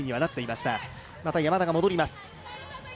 また山田が戻ります。